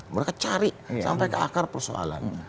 mereka cari sampai ke akar persoalannya